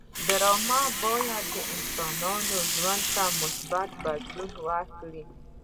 ډرامه باید د انسانانو ژوند ته مثبت بدلون ورکړي